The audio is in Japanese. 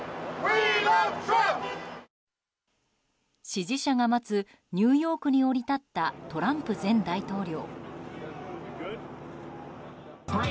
支持者が待つニューヨークに降り立ったトランプ前大統領。